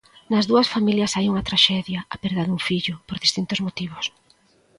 Nas dúas familias hai unha traxedia: a perda dun fillo, por distintos motivos.